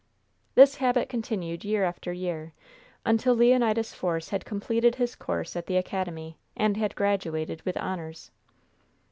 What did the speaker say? This habit continued year after year, until Leonidas Force had completed his course at the academy, and had graduated with honors.